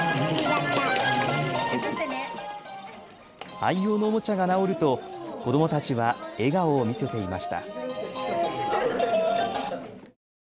愛用のおもちゃが直ると、子どもたちは笑顔を見せていました。